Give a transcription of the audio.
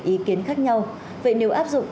ý kiến khác nhau vậy nếu áp dụng